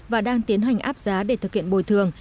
và đang tiến hành áp giá để thực hiện bồi thường